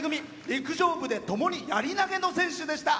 陸上部でともにやり投げの選手でした。